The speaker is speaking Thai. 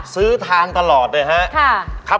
ซื้อทางตลอดเลยครับ